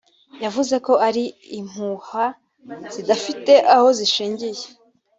yavuze ko ari impuha zidafite aho zishingiye